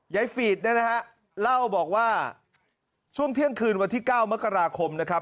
ฝีดเนี่ยนะฮะเล่าบอกว่าช่วงเที่ยงคืนวันที่๙มกราคมนะครับ